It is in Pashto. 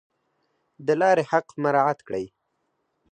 د لارې حق مراعات کړئ